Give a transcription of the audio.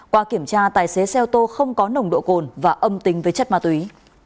qua kiểm tra tài xế xe ô tô không có nồng độ cồn và âm tính với chất ma túy